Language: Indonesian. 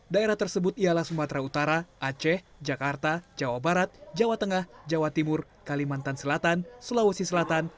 daerah tersebut ialah sumatera utara aceh jakarta jawa barat jawa tengah jawa timur kalimantan selatan sulawesi selatan